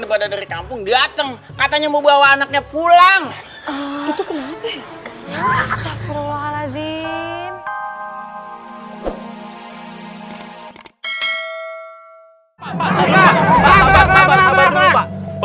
berada di kampung datang katanya mau bawa anaknya pulang itu kenapa astagfirullahaladzim